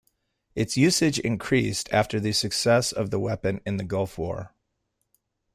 Its usage increased after the success of the weapon in the Gulf War.